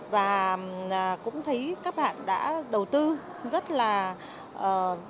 và cũng thấy các bạn đã đầu tư rất là